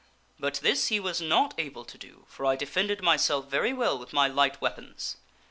But this he was not able to do, for I defended myself very well with my light weapons.